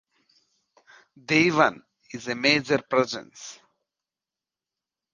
Devon is a major presence.